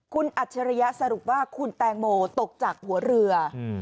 คุณอัจฉริยะสรุปว่าคุณแตงโมตกจากหัวเรือ